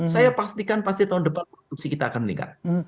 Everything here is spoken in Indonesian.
saya pastikan pasti tahun depan produksi kita akan meningkat